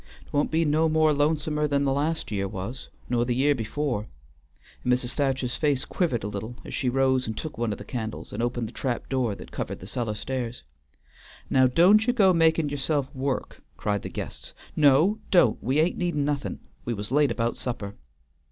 "'T won't be no lonesomer than last year was, nor the year before," and Mrs. Thacher's face quivered a little as she rose and took one of the candles, and opened the trap door that covered the cellar stairs. "Now don't ye go to makin' yourself work," cried the guests. "No, don't! we ain't needin' nothin'; we was late about supper."